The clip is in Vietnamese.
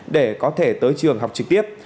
để có thể tới trường học trực tiếp